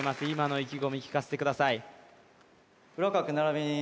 今の意気込み聞かせてください